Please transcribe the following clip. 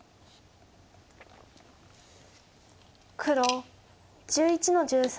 黒１１の十三。